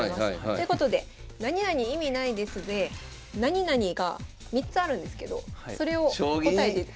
ということで「なになに意味ないです」で「なになに」が３つあるんですけどそれを答えてください。